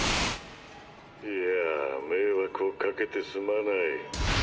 いやぁ迷惑をかけてすまない。